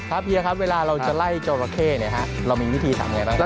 ครับเฮียครับเวลาเราจะไล่จอดละเข้เรามีวิธีสำเนี่ยไหมครับ